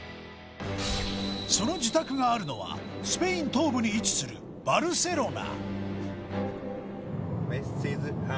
その自宅があるのはスペイン東部に位置するバルセロナ